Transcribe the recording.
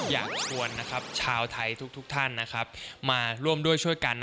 อยากชวนชาวไทยทุกท่านมาร่วมด้วยช่วยกัน